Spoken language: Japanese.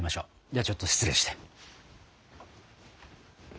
ではちょっと失礼して。